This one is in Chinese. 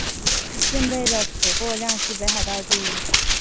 蚬贝的补获量是北海道第一。